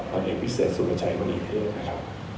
ผลเอกพิเศษสุประชัยมณีเทศนะครับ